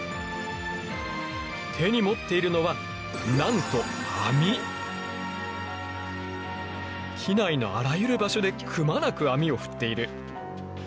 手に持っているのはなんと機内のあらゆる場所でくまなく網を振っている。